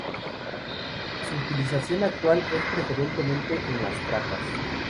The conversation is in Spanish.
Su utilización actual es preferentemente en las tracas.